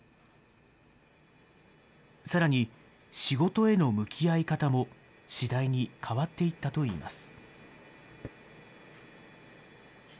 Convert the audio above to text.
さらに仕事への向き合い方も次第に変わっていったといいます。